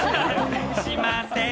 しません。